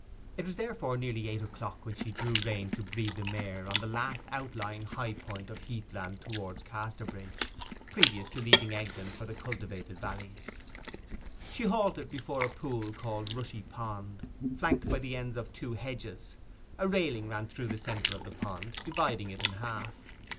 It was therefore nearly eight o'clock when she drew rein to breathe the mare on the last outlying high point of heath land towards Casterbridge, previous to leaving Egdon for the cultivated valleys. She halted before a pool called Rushy pond, flanked by the ends of two hedges; a railing ran through the centre of the pond, dividing it in half.